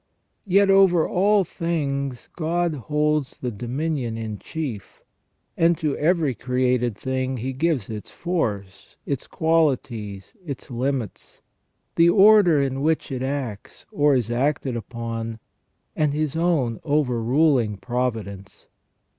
Yet over all things God holds the dominion in chief, and to every created thing He gives its force, its qualities, its limits, the order in which it acts, or is acted upon, and His own overruling providence.